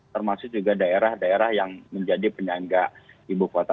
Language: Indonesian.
termasuk juga daerah daerah yang menjadi penyangga ibu kota